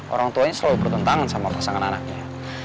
orang tuanya selalu bertentangan sama pasangan anaknya